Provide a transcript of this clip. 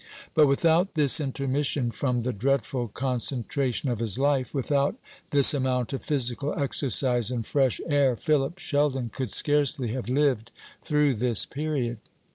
But without this intermission from the dreadful concentration of his life, without this amount of physical exercise and fresh air, Philip Sheldon could scarcely have lived through this period.